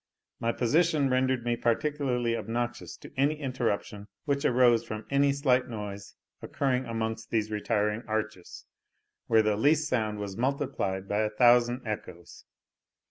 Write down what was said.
My position rendered me particularly obnoxious to any interruption which arose from any slight noise occurring amongst these retiring arches, where the least sound was multiplied by a thousand echoes.